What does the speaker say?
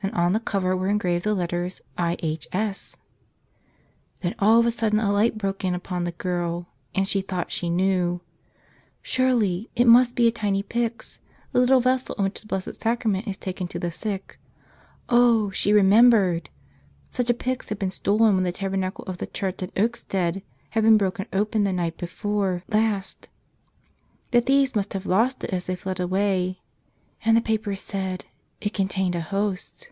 And on the cover were engraved the letters IHS! Then all of a sudden a light broke in upon the girl — and she thought she knew. Surely, it must be a tiny pyx, the little vessel in which the Blessed Sacrament is taken to the sick. Oh, she remembered! Such a pyx had been stolen when the tabernacle of the church at Oakstead had been broken open the night before last. The thieves must have lost it as they fled away. And the paper said — it contained a Host!